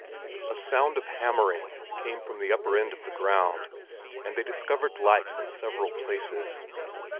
A sound of hammering came from the upper end of the ground, and they discovered lights in several places.